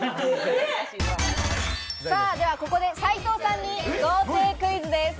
ではここで斉藤さんに豪邸クイズです。